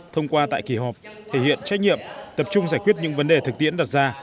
thông qua tại kỳ họp thể hiện trách nhiệm tập trung giải quyết những vấn đề thực tiễn đặt ra